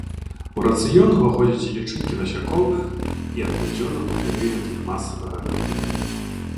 У рацыён уваходзяць і лічынкі насякомых і аднадзёнак ў перыяд іх масавага лёту.